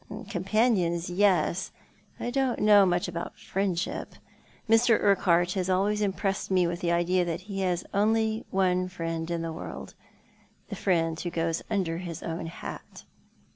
" Companions, yes. I don't know much about friendship. Mr. Urquhart has always impressed me with the idea that ho has only one friend in the world — the friend who goes under his own hat."